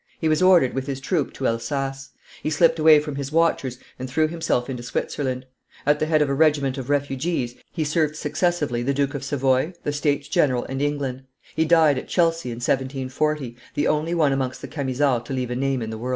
He was ordered with his troop to Elsass; he slipped away from his watchers and threw himself into Switzerland. At the head of a regiment of refugees he served successively the Duke of Savoy, the States General, and England; he died at Chelsea in 1740, the only one amongst the Camisards to leave a name in the world.